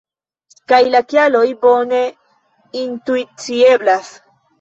Kaj la kialoj bone intuicieblas.